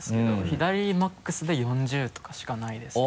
左マックスで４０とかしかないですね。